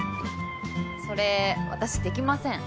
それ私できません。